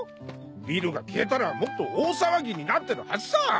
ビルが消えたらもっと大騒ぎになってるはずさ。